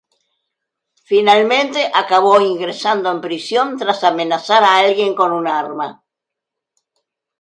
Finalmente acabó ingresando en prisión tras amenazar a alguien con un arma.